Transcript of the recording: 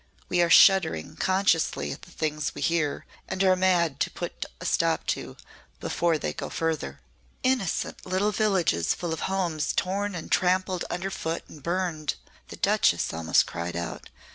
We are shuddering consciously at the things we hear and are mad to put a stop to, before they go further." "Innocent little villages full of homes torn and trampled under foot and burned!" the Duchess almost cried out.